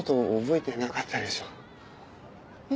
え？